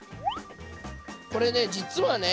これね実はね